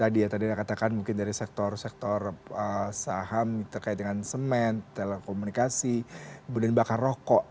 dia tadi anda katakan mungkin dari sektor sektor saham terkait dengan semen telekomunikasi kemudian bahkan rokok